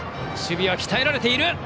守備は鍛えられている。